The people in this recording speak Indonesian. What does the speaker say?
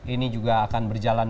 ini juga akan berjalan